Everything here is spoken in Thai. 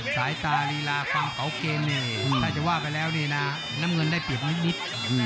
สายตารีราความเก่าเกณฑ์ถ้าจะว่าไปแล้วน้ำเงินได้เปรียบนิด